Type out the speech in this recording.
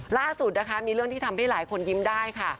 ล่าสุดนะคะมีเรื่องที่ทำให้หลายคนยิ้มได้ค่ะ